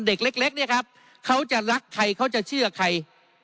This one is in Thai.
เด็กเล็กเนี่ยครับเขาจะรักใครเขาจะเชื่อใคร